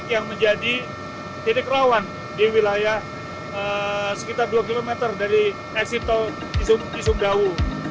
yang menjadi titik rawan di wilayah sekitar dua km dari eksito cisumdau